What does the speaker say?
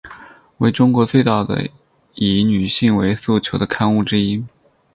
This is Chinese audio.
为中国最早的以女性为诉求的刊物之一。